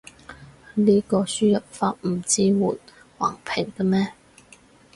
呢個輸入法唔支援橫屏嘅咩？